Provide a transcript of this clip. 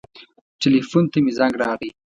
ټیلیفون ته مې زنګ راغی.